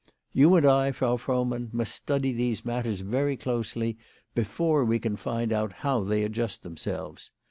You and I, Frau Frohmann, must study these matters very closely before we can find out how they adjust them selves.